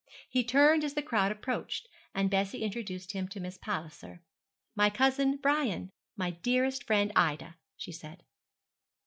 He turned as the crowd approached, and Bessie introduced him to Miss Palliser. 'My cousin Brian my dearest friend Ida,' she said.